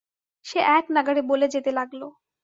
সে একনাগাড়ে বলে যেত লাগল।